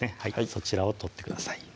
そちらを取ってください